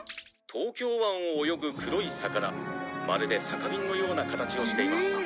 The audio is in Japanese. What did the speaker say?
「東京湾を泳ぐ黒い魚まるで酒瓶のような形をしています」